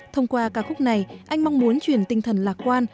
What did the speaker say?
thông qua ca khúc này anh mong muốn truyền tinh thần lạc quan